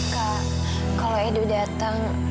kak kalau edo datang